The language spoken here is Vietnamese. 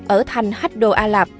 ở thành hách đồ a lạp